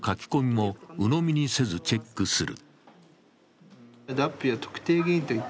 もうのみにせずチェックする。